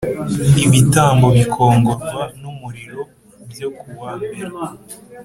ibitambo bikongorwa n umuriro byo kuwa mbere